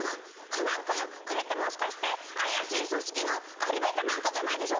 コナン君これってもしかして怪しい組織のアリバイか何かじゃないでしょうか！